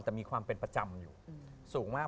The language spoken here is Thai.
แต่มีความเป็นประจำอยู่สูงมาก